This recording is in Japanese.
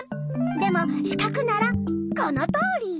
でもしかくならこのとおり！